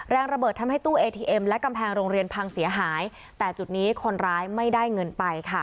ระเบิดทำให้ตู้เอทีเอ็มและกำแพงโรงเรียนพังเสียหายแต่จุดนี้คนร้ายไม่ได้เงินไปค่ะ